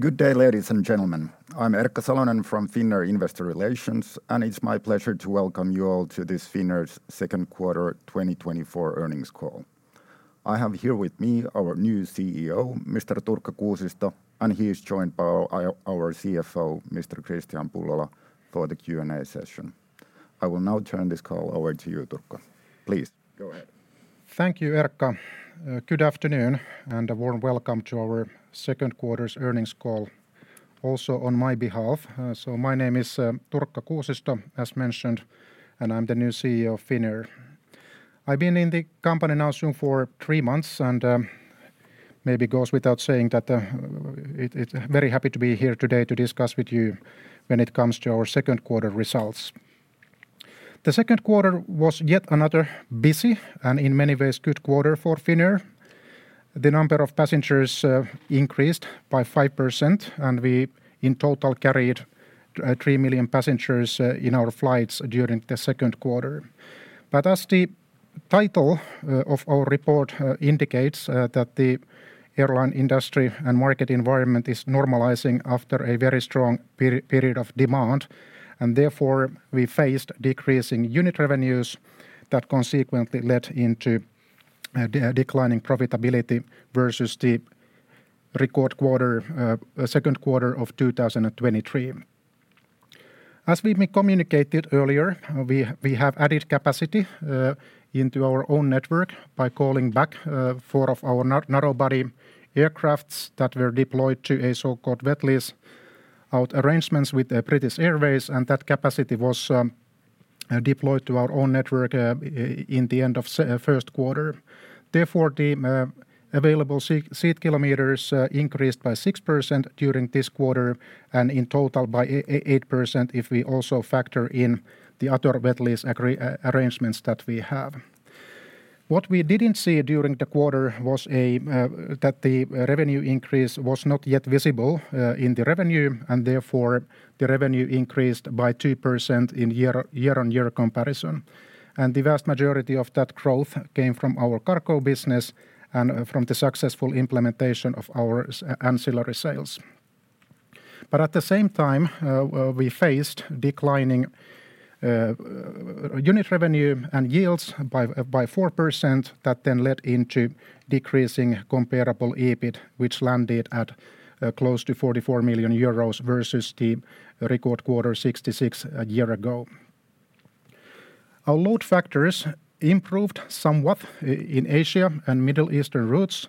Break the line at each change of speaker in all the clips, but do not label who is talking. Good day, ladies and gentlemen. I'm Erkka Salonen from Finnair Investor Relations, and it's my pleasure to welcome you all to this Finnair's second quarter 2024 earnings call. I have here with me our new CEO, Mr. Turkka Kuusisto, and he is joined by our CFO, Mr. Kristian Pullola, for the Q&A session. I will now turn this call over to you, Turkka. Please, go ahead.
Thank you, Erkka. Good afternoon, and a warm welcome to our second quarter's earnings call, also on my behalf. So my name is Turkka Kuusisto, as mentioned, and I'm the new CEO of Finnair. I've been in the company now soon for three months, and very happy to be here today to discuss with you when it comes to our second quarter results. The second quarter was yet another busy, and in many ways, good quarter for Finnair. The number of passengers increased by 5%, and we, in total, carried 3 million passengers in our flights during the second quarter. But as the title of our report indicates that the airline industry and market environment is normalizing after a very strong period of demand, and therefore, we faced decreasing unit revenues that consequently led into a declining profitability versus the record quarter, second quarter of 2023. As we have communicated earlier, we have added capacity into our own network by calling back four of our narrow-body aircraft that were deployed to a so-called wet lease arrangements with British Airways, and that capacity was deployed to our own network in the end of first quarter. Therefore, the available seat kilometers increased by 6% during this quarter, and in total by 8% if we also factor in the other wet lease arrangements that we have. What we didn't see during the quarter was that the revenue increase was not yet visible in the revenue, and therefore, the revenue increased by 2% in year-on-year comparison. And the vast majority of that growth came from our cargo business and from the successful implementation of our ancillary sales. But at the same time, we faced declining unit revenue and yields by 4% that then led into decreasing comparable EBIT, which landed at close to 44 million euros versus the record quarter 66 a year ago. Our load factors improved somewhat in Asia and Middle Eastern routes,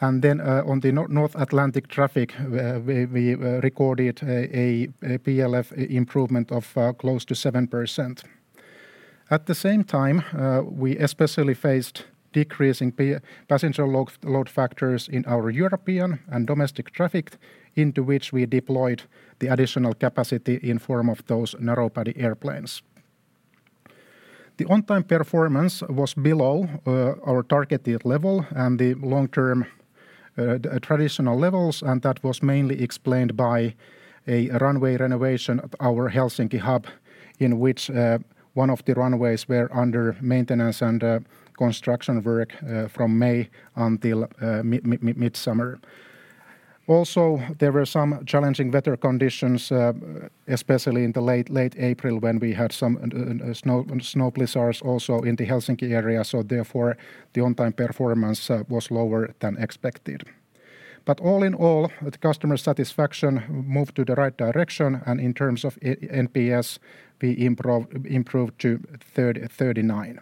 and then on the North Atlantic traffic, where we recorded a PLF improvement of close to 7%. At the same time, we especially faced decreasing passenger load factors in our European and domestic traffic, into which we deployed the additional capacity in form of those narrow-body airplanes. The on-time performance was below our targeted level and the long-term traditional levels, and that was mainly explained by a runway renovation at our Helsinki hub, in which one of the runways were under maintenance and construction work from May until mid-summer. Also, there were some challenging weather conditions, especially in the late, late April, when we had some snow, snow blizzards also in the Helsinki area, so therefore, the on-time performance was lower than expected. But all in all, the customer satisfaction moved to the right direction, and in terms of NPS, we improved to 39.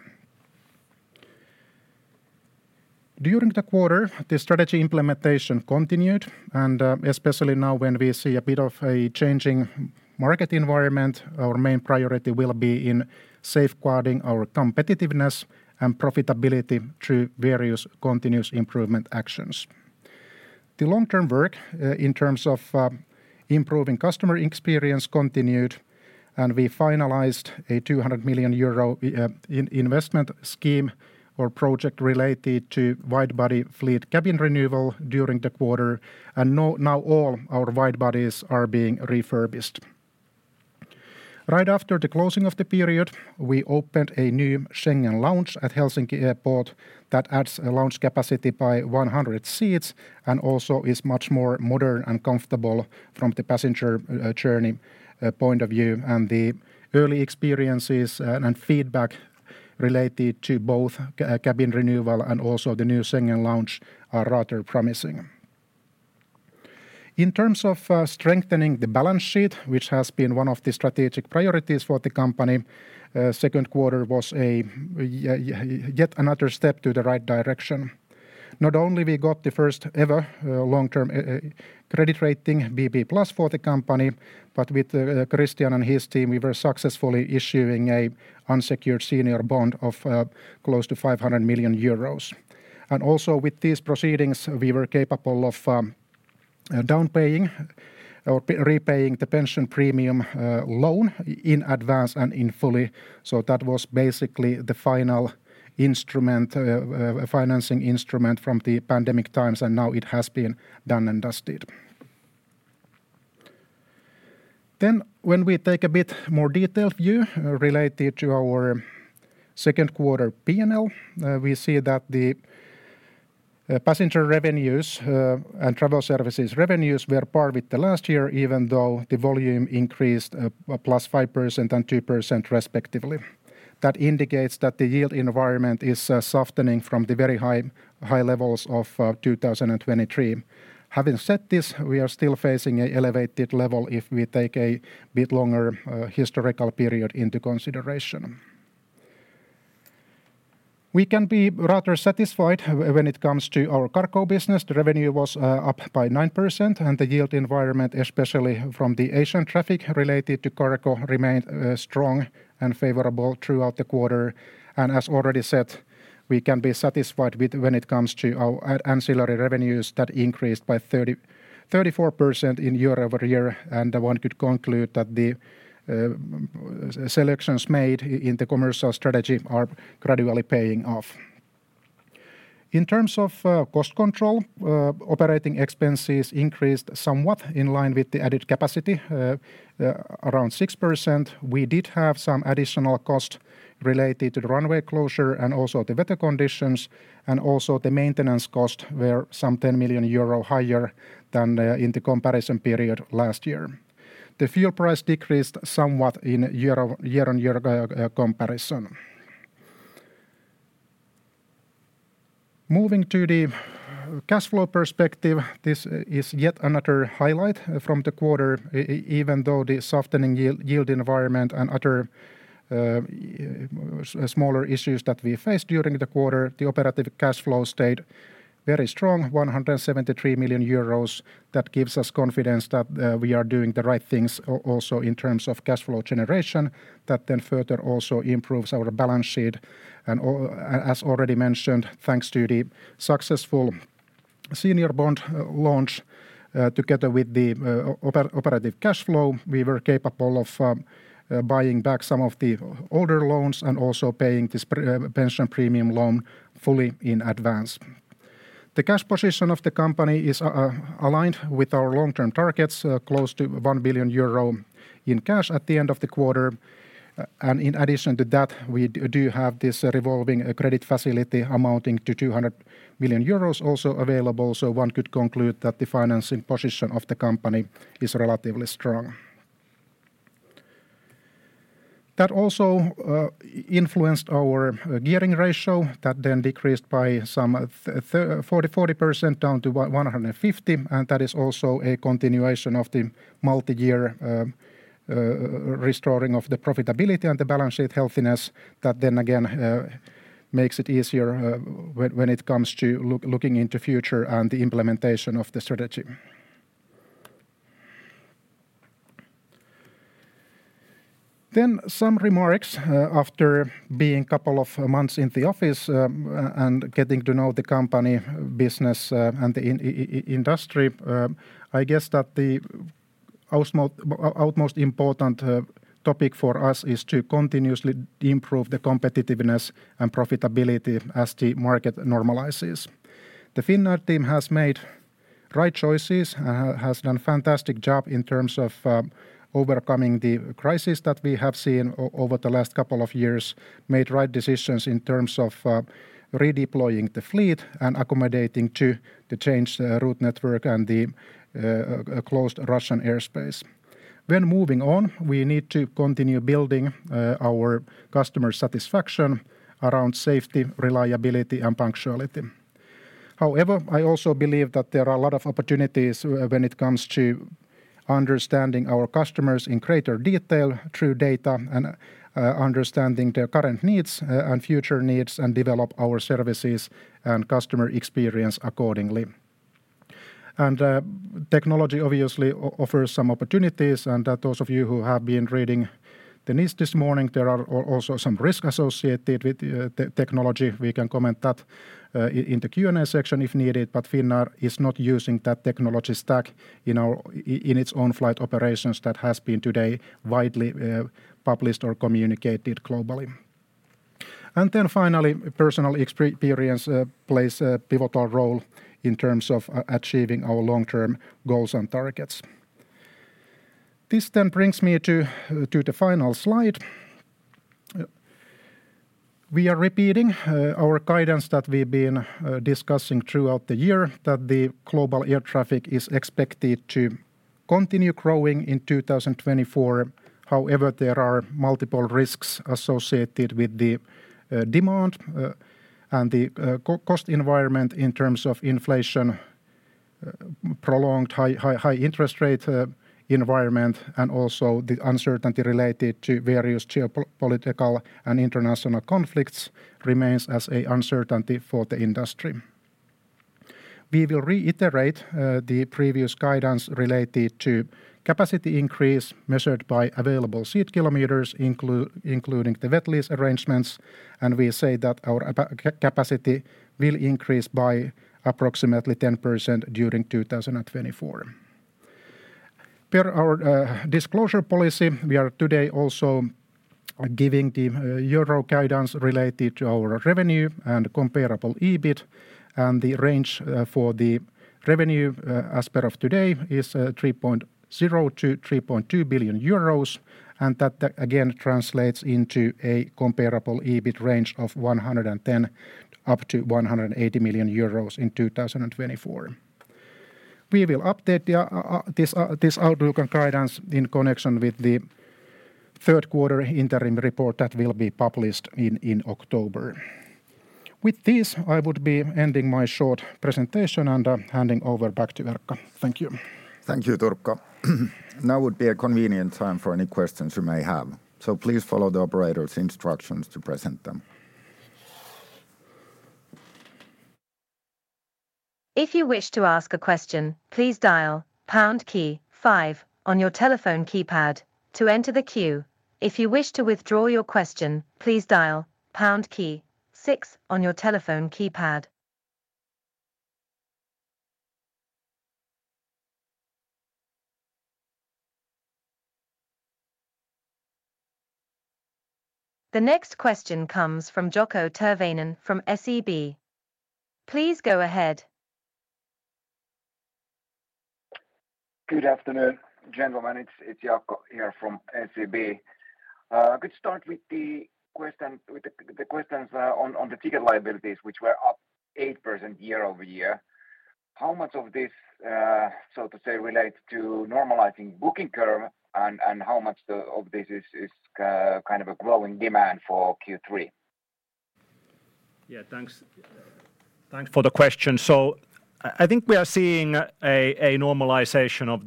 During the quarter, the strategy implementation continued, and especially now when we see a bit of a changing market environment, our main priority will be in safeguarding our competitiveness and profitability through various continuous improvement actions. The long-term work in terms of improving customer experience continued, and we finalized a 200 million euro investment scheme or project related to wide-body fleet cabin renewal during the quarter, and now all our wide-bodies are being refurbished. Right after the closing of the period, we opened a new Schengen lounge at Helsinki Airport that adds a lounge capacity by 100 seats and also is much more modern and comfortable from the passenger journey point of view, and the early experiences and feedback related to both cabin renewal and also the new Schengen lounge are rather promising. In terms of strengthening the balance sheet, which has been one of the strategic priorities for the company, second quarter was yet another step to the right direction. Not only we got the first ever long-term credit rating, BB+ for the company, but with Kristian and his team, we were successfully issuing a unsecured senior bond of close to 500 million euros. Also with these proceedings, we were capable of repaying the pension premium loan in advance and in full. So that was basically the final instrument, financing instrument from the pandemic times, and now it has been done and dusted. Then when we take a bit more detailed view related to our second quarter PL, we see that the passenger revenues and travel services revenues were on par with the last year, even though the volume increased +5% and 2% respectively. That indicates that the yield environment is softening from the very high levels of 2023. Having said this, we are still facing an elevated level if we take a bit longer historical period into consideration. We can be rather satisfied when it comes to our cargo business. The revenue was up by 9%, and the yield environment, especially from the Asian traffic related to cargo, remained strong and favorable throughout the quarter. And as already said, we can be satisfied with when it comes to our ancillary revenues that increased by 34% year-over-year. And one could conclude that the selections made in the commercial strategy are gradually paying off. In terms of cost control, operating expenses increased somewhat in line with the added capacity around 6%. We did have some additional cost related to the runway closure and also the weather conditions, and also the maintenance cost were 10 million euro higher than in the comparison period last year. The fuel price decreased somewhat in year-on-year comparison. Moving to the cash flow perspective, this is yet another highlight from the quarter. Even though the softening yield environment and other smaller issues that we faced during the quarter, the operative cash flow stayed very strong, 173 million euros. That gives us confidence that we are doing the right things also in terms of cash flow generation. That then further also improves our balance sheet and as already mentioned, thanks to the successful senior bond launch, together with the operative cash flow, we were capable of buying back some of the older loans and also paying this pension premium loan fully in advance. The cash position of the company is aligned with our long-term targets, close to 1 billion euro in cash at the end of the quarter. In addition to that, we do have this revolving credit facility amounting to 200 million euros also available. So one could conclude that the financing position of the company is relatively strong. That also influenced our gearing ratio. That then decreased by some 40% down to 150%, and that is also a continuation of the multi-year restoring of the profitability and the balance sheet healthiness. That then again makes it easier when it comes to looking into future and the implementation of the strategy. Then some remarks after being a couple of months in the office and getting to know the company business and the industry. I guess that the utmost important topic for us is to continuously improve the competitiveness and profitability as the market normalizes. The Finnair team has made right choices, has done a fantastic job in terms of overcoming the crisis that we have seen over the last couple of years, made right decisions in terms of redeploying the fleet and accommodating to the changed route network and the closed Russian airspace. When moving on, we need to continue building our customer satisfaction around safety, reliability, and punctuality. However, I also believe that there are a lot of opportunities when it comes to understanding our customers in greater detail through data and understanding their current needs and future needs, and develop our services and customer experience accordingly. Technology obviously offers some opportunities, and to those of you who have been reading the news this morning, there are also some risk associated with the technology. We can comment that in the Q&A section if needed, but Finnair is not using that technology stack in its own flight operations that has been today widely published or communicated globally. Then finally, personal experience plays a pivotal role in terms of achieving our long-term goals and targets. This then brings me to the final slide. We are repeating our guidance that we've been discussing throughout the year, that the global air traffic is expected to continue growing in 2024. However, there are multiple risks associated with the demand and the cost environment in terms of inflation, prolonged high interest rate environment, and also the uncertainty related to various geopolitical and international conflicts remains as a uncertainty for the industry. We will reiterate the previous guidance related to capacity increase measured by available seat kilometers, including the wet lease arrangements, and we say that our capacity will increase by approximately 10% during 2024. Per our disclosure policy, we are today also giving the euro guidance related to our revenue and comparable EBIT. And the range for the revenue, as of today, is 3.0 billion-3.2 billion euros, and that again translates into a comparable EBIT range of 110 million up to 180 million euros in 2024. We will update this outlook and guidance in connection with the third quarter interim report that will be published in October. With this, I would be ending my short presentation and handing over back to Erkka. Thank you.
Thank you, Turkka. Now would be a convenient time for any questions you may have, so please follow the operator's instructions to present them.
If you wish to ask a question, please dial pound key five on your telephone keypad to enter the queue. If you wish to withdraw your question, please dial pound key six on your telephone keypad. The next question comes from Jaakko Tyrväinen from SEB. Please go ahead.
Good afternoon, gentlemen. It's Jaakko here from SEB. Could start with the questions on the ticket liabilities, which were up 8% year-over-year. How much of this, so to say, relates to normalizing booking curve, and how much of this is kind of a growing demand for Q3?
Yeah, thanks. Thanks for the question. So I think we are seeing a normalization of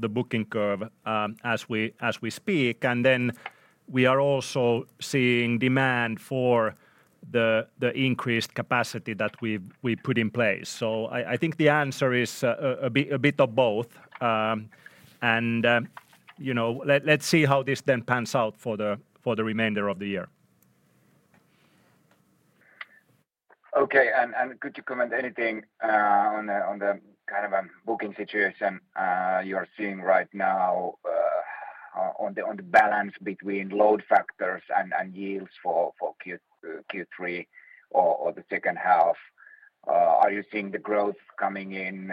the booking curve, as we speak, and then we are also seeing demand for the increased capacity that we've put in place. So I think the answer is a bit of both. And you know, let's see how this then pans out for the remainder of the year.
Okay, and could you comment anything on the kind of booking situation you're seeing right now on the balance between load factors and yields for Q3 or the second half? Are you seeing the growth coming in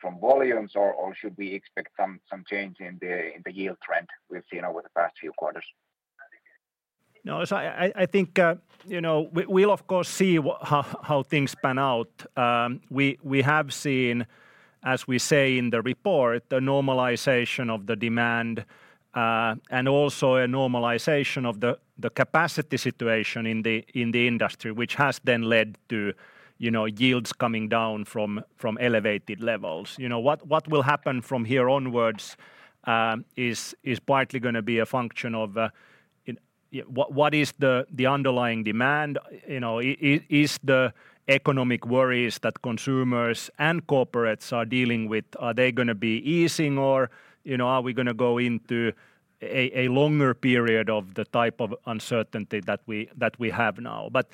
from volumes or should we expect some change in the yield trend we've seen over the past few quarters?
No, so I think, you know, we’ll of course see how things pan out. We have seen, as we say in the report, the normalization of the demand, and also a normalization of the capacity situation in the industry, which has then led to, you know, yields coming down from elevated levels. You know, what will happen from here onwards is partly gonna be a function of what is the underlying demand? You know, is the economic worries that consumers and corporates are dealing with gonna be easing or, you know, are we gonna go into a longer period of the type of uncertainty that we have now? But,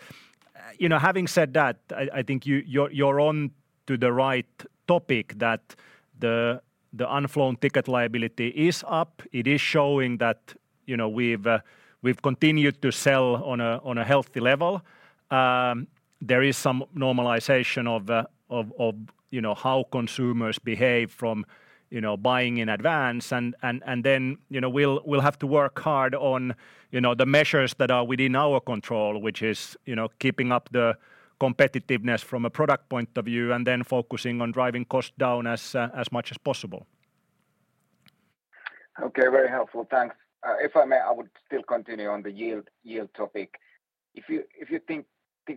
you know, having said that, I think you're on to the right topic, that the unflown ticket liability is up. It is showing that, you know, we've continued to sell on a healthy level. There is some normalization of, you know, how consumers behave from, you know, buying in advance. And then, you know, we'll have to work hard on, you know, the measures that are within our control, which is, you know, keeping up the competitiveness from a product point of view, and then focusing on driving costs down as much as possible.
Okay, very helpful. Thanks. If I may, I would still continue on the yield topic. If you think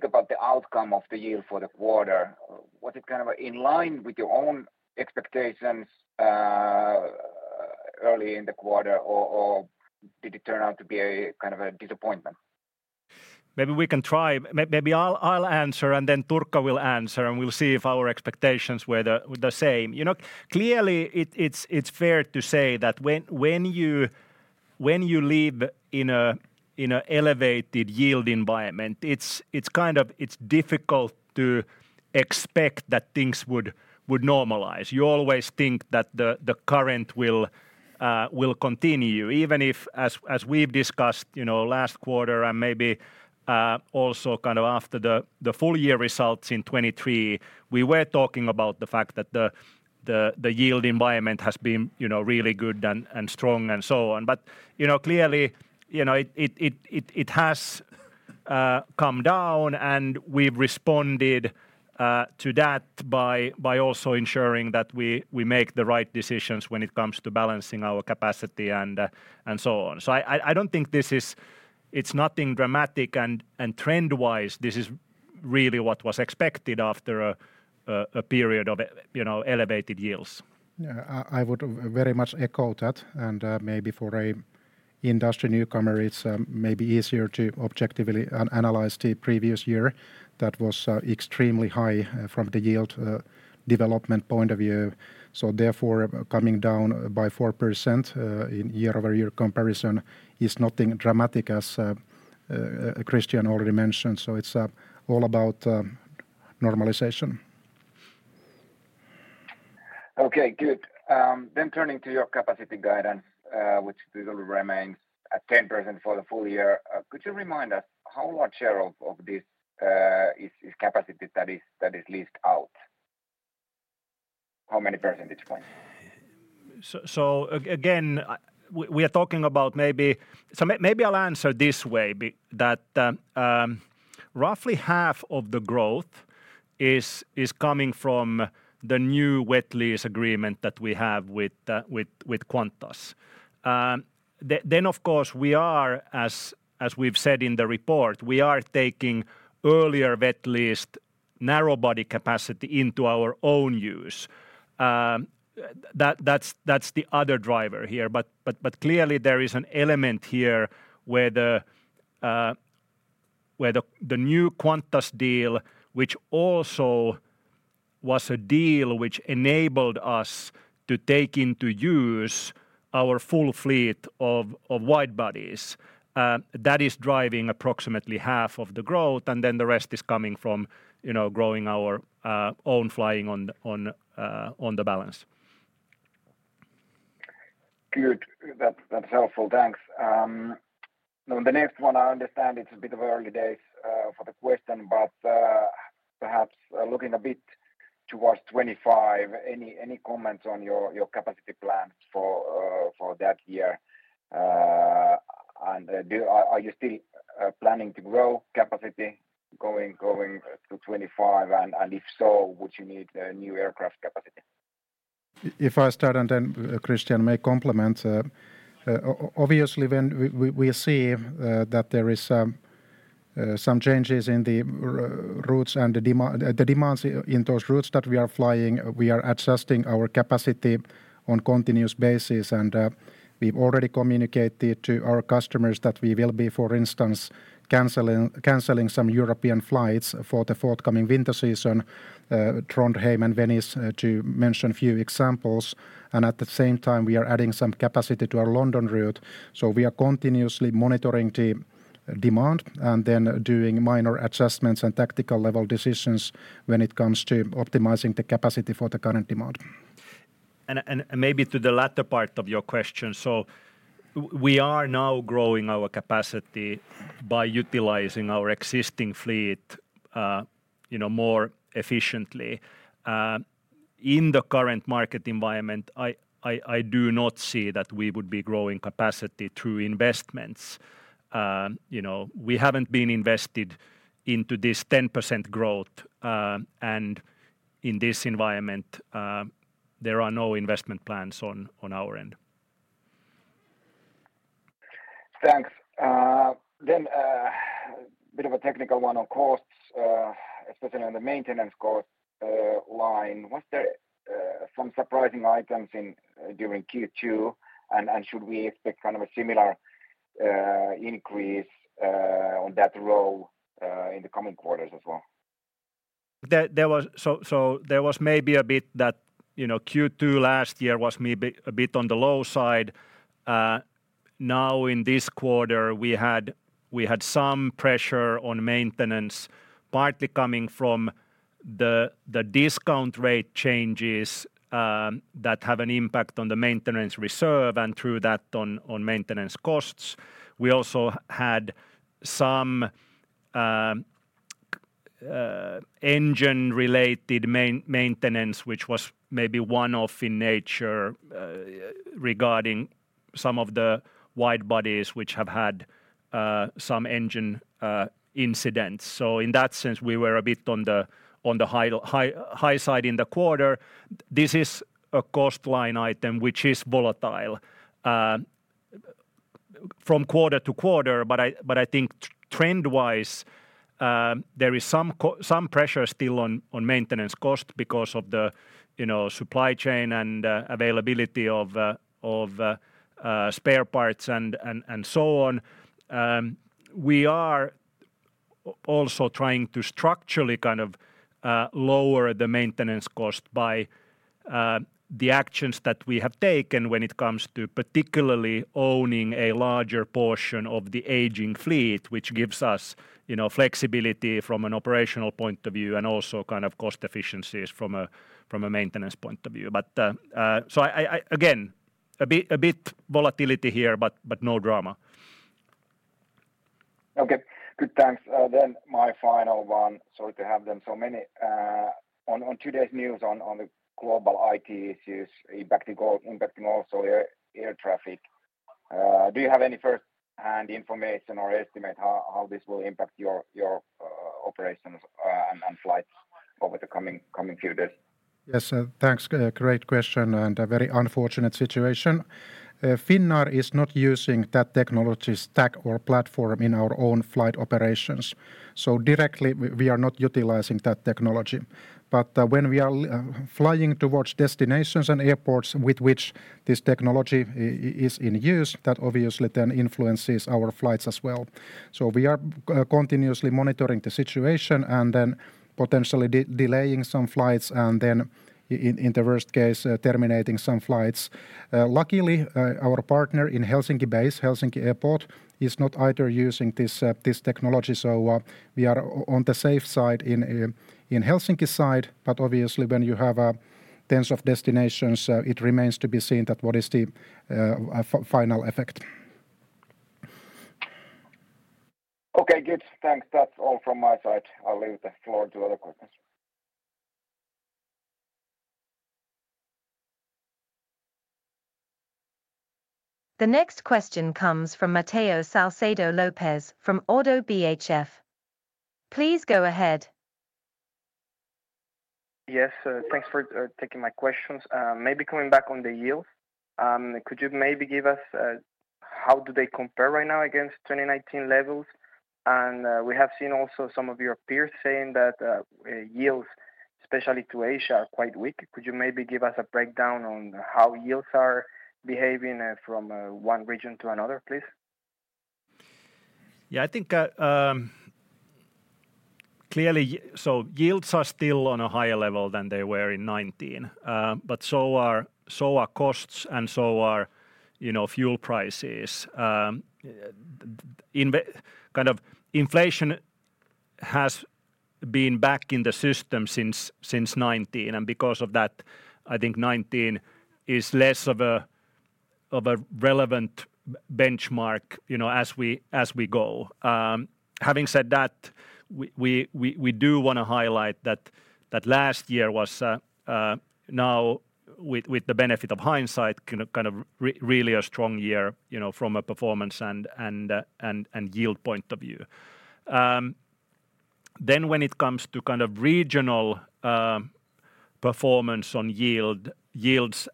about the outcome of the yield for the quarter, was it kind of in line with your own expectations early in the quarter, or did it turn out to be a kind of a disappointment?
Maybe we can try. Maybe I'll answer, and then Turkka will answer, and we'll see if our expectations were the same. You know, clearly it's fair to say that when you live in a elevated yield environment, it's kind of difficult to expect that things would normalize. You always think that the current will continue, even if as we've discussed, you know, last quarter and maybe also kind of after the full year results in 2023, we were talking about the fact that the yield environment has been, you know, really good and strong, and so on. But, you know, clearly, you know, it has come down, and we've responded to that by also ensuring that we make the right decisions when it comes to balancing our capacity and so on. So I don't think this is... It's nothing dramatic, and trend-wise, this is really what was expected after a period of, you know, elevated yields. Yeah, I would very much echo that. And maybe for an industry newcomer, it's maybe easier to objectively analyze the previous year that was extremely high from the yield development point of view. So therefore, coming down by 4% in year-over-year comparison is nothing dramatic, as Kristian already mentioned. So it's all about normalization....
Okay, good. Then turning to your capacity guidance, which usually remains at 10% for the full year. Could you remind us how large share of this is capacity that is leased out? How many percentage points?
So again, we are talking about maybe. So maybe I'll answer this way, that roughly half of the growth is coming from the new wet lease agreement that we have with Qantas. Then, of course, we are, as we've said in the report, taking earlier wet leased narrow body capacity into our own use. That's the other driver here. But clearly there is an element here where the new Qantas deal, which also was a deal which enabled us to take into use our full fleet of wide bodies, that is driving approximately half of the growth, and then the rest is coming from, you know, growing our own flying on the balance.
Good. That's, that's helpful. Thanks. Now the next one, I understand it's a bit of early days for the question, but perhaps looking a bit towards 2025, any, any comments on your, your capacity plans for that year? And, are you still planning to grow capacity going to 2025? And, and if so, would you need new aircraft capacity?
If I start, and then Kristian may complement. Obviously, when we see that there is some changes in the routes and the demand, the demands in those routes that we are flying, we are adjusting our capacity on continuous basis. And we've already communicated to our customers that we will be, for instance, canceling some European flights for the forthcoming winter season, Trondheim and Venice, to mention a few examples. And at the same time we are adding some capacity to our London route. So we are continuously monitoring the demand, and then doing minor adjustments and tactical-level decisions when it comes to optimizing the capacity for the current demand.
Maybe to the latter part of your question, so we are now growing our capacity by utilizing our existing fleet, you know, more efficiently. In the current market environment, I do not see that we would be growing capacity through investments. You know, we haven't been invested into this 10% growth, and in this environment, there are no investment plans on our end.
Thanks. Then, bit of a technical one on costs, especially on the maintenance cost line. Was there some surprising items during Q2? And should we expect kind of a similar increase on that row in the coming quarters as well?
So there was maybe a bit that, you know, Q2 last year was maybe a bit on the low side. Now, in this quarter, we had some pressure on maintenance, partly coming from the discount rate changes that have an impact on the maintenance reserve, and through that, on maintenance costs. We also had some engine-related maintenance, which was maybe one-off in nature, regarding some of the wide bodies which have had some engine incidents. So in that sense, we were a bit on the high side in the quarter. This is a cost line item which is volatile from quarter to quarter. But I think trend-wise, there is some pressure still on maintenance cost because of the, you know, supply chain and availability of spare parts and so on. We are also trying to structurally kind of lower the maintenance cost by the actions that we have taken when it comes to particularly owning a larger portion of the aging fleet, which gives us, you know, flexibility from an operational point of view, and also kind of cost efficiencies from a maintenance point of view. But again, a bit volatility here, but no drama.
Okay, good, thanks. Then my final one, sorry to have so many. On today's news, on the global IT issues impacting also air traffic, do you have any first-hand information or estimate how this will impact your operations, and flights over the coming few days?
Yes, thanks. Great question and a very unfortunate situation. Finnair is not using that technology stack or platform in our own flight operations, so directly we are not utilizing that technology. But when we are flying towards destinations and airports with which this technology is in use, that obviously then influences our flights as well. So we are continuously monitoring the situation, and then potentially delaying some flights, and then in the worst case, terminating some flights. Luckily, our partner in Helsinki base, Helsinki Airport, is not either using this technology, so we are on the safe side in Helsinki side. But obviously, when you have tens of destinations, it remains to be seen what the final effect is?...
Okay, good. Thanks. That's all from my side. I'll leave the floor to other questions.
The next question comes from Matteo Salcedo from Oddo BHF. Please go ahead.
Yes, thanks for taking my questions. Maybe coming back on the yield, could you maybe give us how do they compare right now against 2019 levels? And, we have seen also some of your peers saying that yields, especially to Asia, are quite weak. Could you maybe give us a breakdown on how yields are behaving from one region to another, please?
Yeah, I think clearly. So yields are still on a higher level than they were in 2019, but so are costs, and so are, you know, fuel prices. Kind of inflation has been back in the system since 2019, and because of that, I think 2019 is less of a relevant benchmark, you know, as we go. Having said that, we do wanna highlight that last year was now with the benefit of hindsight, kind of really a strong year, you know, from a performance and yield point of view. Then when it comes to kind of regional performance on yield, yields,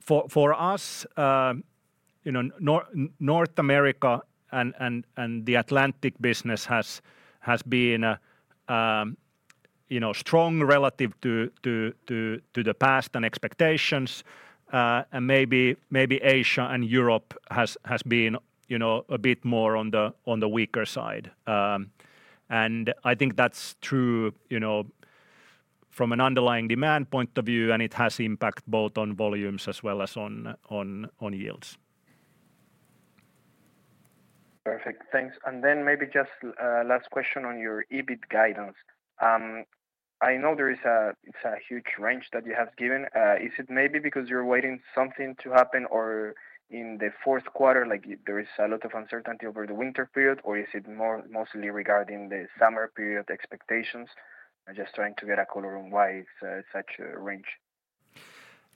for us, you know, North America and the Atlantic business has been, you know, strong relative to the past and expectations. And maybe Asia and Europe has been, you know, a bit more on the weaker side. And I think that's true, you know, from an underlying demand point of view, and it has impact both on volumes as well as on yields.
Perfect. Thanks. And then maybe just last question on your EBIT guidance. I know there is a, it's a huge range that you have given. Is it maybe because you're waiting something to happen, or in the fourth quarter, like, there is a lot of uncertainty over the winter period, or is it more mostly regarding the summer period expectations? I'm just trying to get a color on why it's such a range.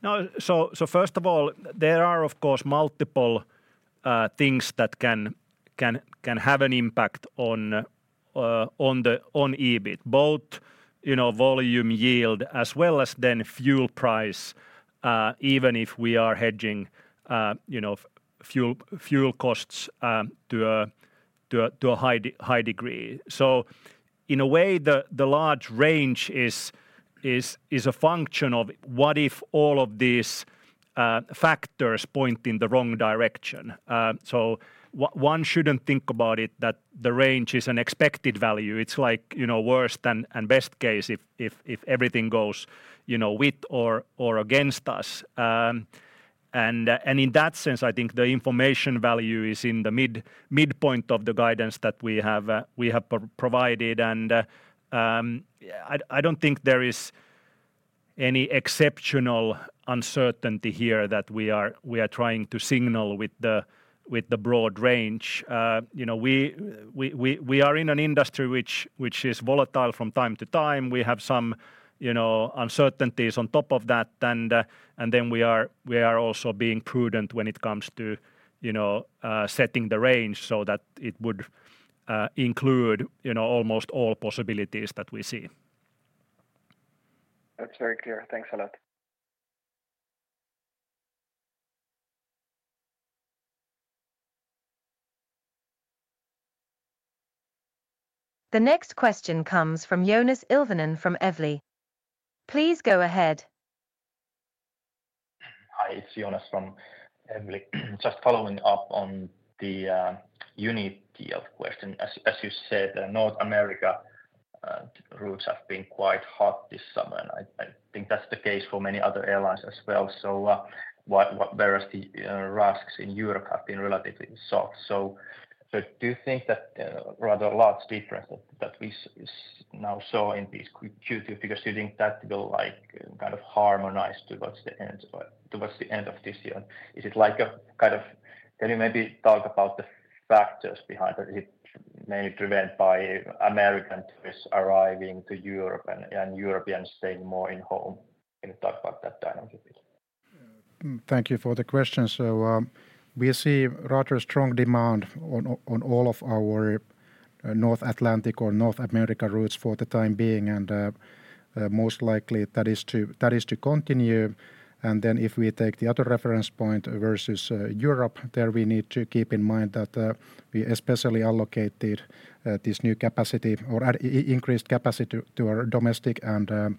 No, so first of all, there are of course multiple things that can have an impact on the EBIT. Both, you know, volume yield as well as then fuel price, even if we are hedging, you know, fuel costs to a high degree. So in a way, the large range is a function of what if all of these factors point in the wrong direction? So one shouldn't think about it that the range is an expected value. It's like, you know, worst and best case if everything goes, you know, with or against us. And in that sense, I think the information value is in the midpoint of the guidance that we have provided. I don't think there is any exceptional uncertainty here that we are trying to signal with the broad range. You know, we are in an industry which is volatile from time to time. We have some, you know, uncertainties on top of that, and then we are also being prudent when it comes to, you know, setting the range so that it would include, you know, almost all possibilities that we see.
That's very clear. Thanks a lot.
The next question comes from Joonas Ilvonen from Evli. Please go ahead.
Hi, it's Joonas from Evli. Just following up on the unit of question. As you said, North America routes have been quite hot this summer, and I think that's the case for many other airlines as well. So, what various routes in Europe have been relatively soft? So, do you think that rather a large difference that we now saw in these Q2 figures, do you think that will like kind of harmonize towards the end towards the end of this year? Is it like a kind of... Can you maybe talk about the factors behind that it may be prevented by American tourists arriving to Europe and Europeans staying more at home? Can you talk about that dynamic a bit?
Thank you for the question. So, we see rather strong demand on all of our North Atlantic or North America routes for the time being, and most likely that is to continue. And then if we take the other reference point versus Europe, there we need to keep in mind that we especially allocated this new capacity or increased capacity to our domestic and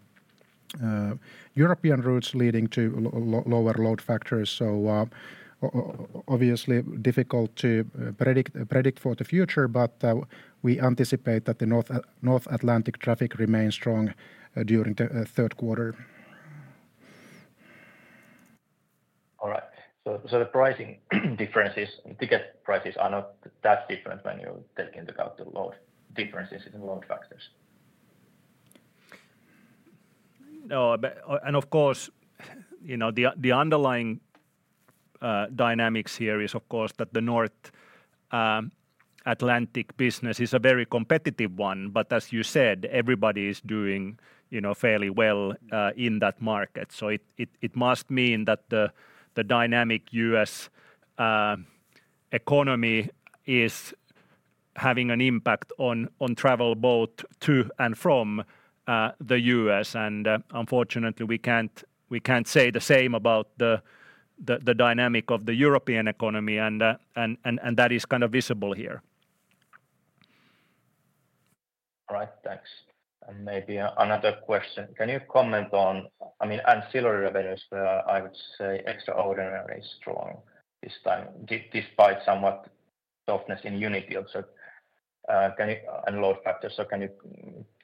European routes, leading to lower load factors. So, obviously difficult to predict for the future, but we anticipate that the North Atlantic traffic remains strong during the third quarter.
All right. So the pricing differences, ticket prices are not that different when you're taking into account the load differences in load factors?...
and of course, you know, the underlying dynamics here is, of course, that the North Atlantic business is a very competitive one. But as you said, everybody is doing, you know, fairly well in that market. So it must mean that the dynamic U.S. economy is having an impact on travel both to and from the U.S. And unfortunately, we can't say the same about the dynamic of the European economy, and that is kind of visible here.
All right, thanks. And maybe another question. Can you comment on, I mean, ancillary revenues were, I would say, extraordinarily strong this time, despite somewhat softness in unit yield, so, can you and load factors, so can you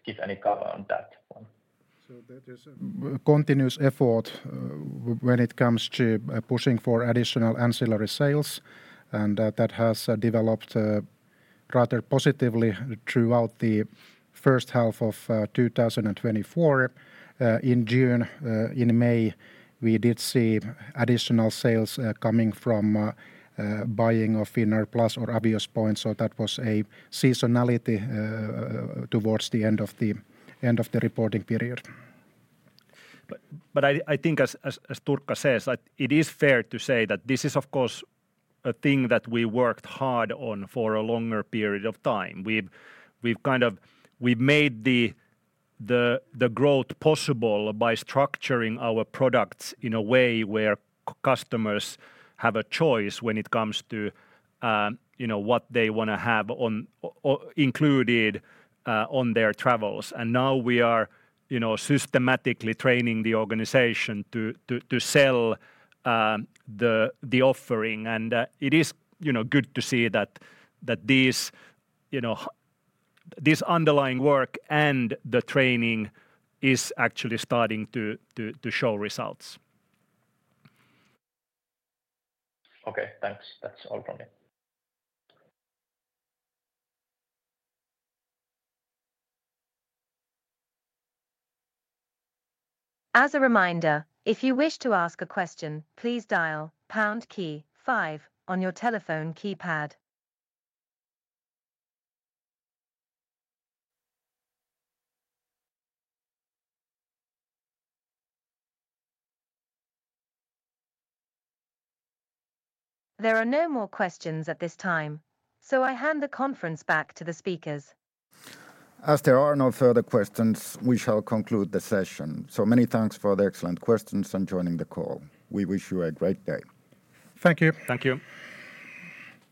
give any color on that one?
So that is a continuous effort when it comes to pushing for additional ancillary sales, and that has developed rather positively throughout the first half of 2024. In June, in May, we did see additional sales coming from buying of Finnair Plus or Avios points, so that was a seasonality towards the end of the reporting period.
But I think, as Turkka says, that it is fair to say that this is, of course, a thing that we worked hard on for a longer period of time. We've kind of made the growth possible by structuring our products in a way where customers have a choice when it comes to, you know, what they want to have included on their travels. And now we are, you know, systematically training the organization to sell the offering. And it is, you know, good to see that these, you know, this underlying work and the training is actually starting to show results.
Okay, thanks. That's all from me.
As a reminder, if you wish to ask a question, please dial pound key five on your telephone keypad. There are no more questions at this time, so I hand the conference back to the speakers.
As there are no further questions, we shall conclude the session. So many thanks for the excellent questions and joining the call. We wish you a great day.
Thank you.
Thank you.